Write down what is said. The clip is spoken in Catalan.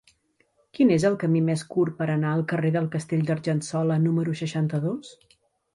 Quin és el camí més curt per anar al carrer del Castell d'Argençola número seixanta-dos?